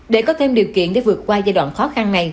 để có thêm điều kiện để vượt qua giai đoạn khó khăn này